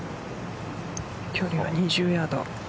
距離は２０ヤード。